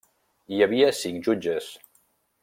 Hi havia cinc jutges.